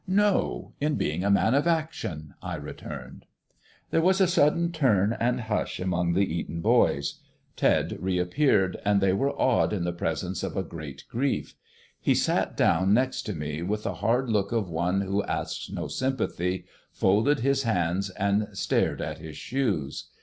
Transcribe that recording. "No. In being a man of action," I returned. There was a sudden turn and hush among the Eton boys. Ted reappeared, and they were awed in the presence of a great grief. He sat down next to me with the hard look of one who asks no sympathy, folded his hands, and stared at his shoes.